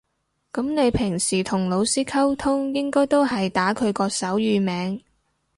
噉你平時同老師溝通應該都係打佢個手語名